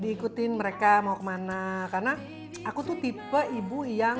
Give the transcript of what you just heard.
diikutin mereka mau kemana karena aku tuh tipe ibu yang